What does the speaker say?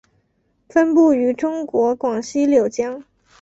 分布于中国广西柳江。